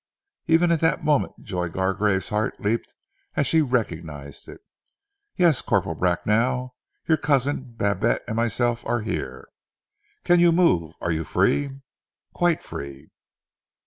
Even at that moment Joy Gargrave's heart leaped as she recognized it. "Yes, Corporal Bracknell. Your cousin, Babette and myself are here." "Can you move? Are you free?" "Quite free."